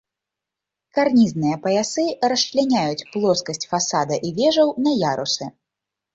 Карнізныя паясы расчляняюць плоскасць фасада і вежаў на ярусы.